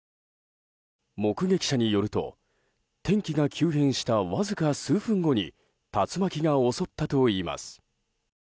目撃者によると天気が急変したわずか数分後に竜巻が襲ったといいます。